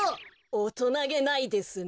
おとなげないですね。